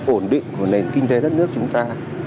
ổn định của nền kinh tế đất nước chúng ta